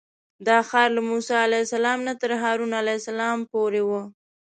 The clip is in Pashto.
دا ښار له موسی علیه السلام نه تر هارون علیه السلام پورې و.